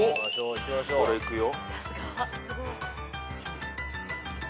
これいくよ。